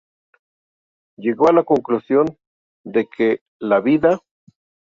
Llegó a la conclusión de que la Vda.